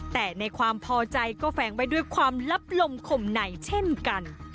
แต่ในความพอใจก็แฝงไว้ด้วยความลับลมข่มไหนเช่นกัน